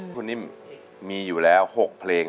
คุณนิ่มมีอยู่แล้ว๖เพลง